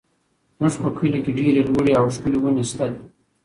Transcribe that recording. زموږ په کلي کې ډېرې لوړې او ښکلې ونې شته دي.